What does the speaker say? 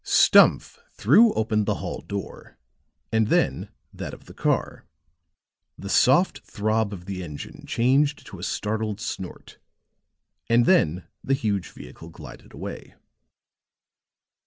Stumph threw open the hall door and then that of the car; the soft throb of the engine changed to a startled snort, and then the huge vehicle glided away.